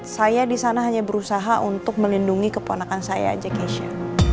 saya di sana hanya berusaha untuk melindungi keponakan saya aja kesha